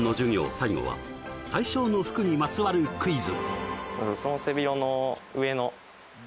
最後は大正の服にまつわるクイズ